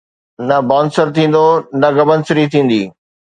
نه بانسر ٿيندو، نه گبنسري ٿيندي